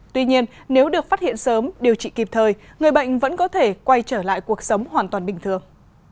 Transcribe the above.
tuy nhiên nếu được phát hiện sớm điều trị kịp thời người bệnh vẫn có thể quay trở lại cuộc sống hoàn toàn bình thường